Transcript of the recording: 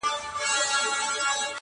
ته لېونۍ خو نه یې؟!!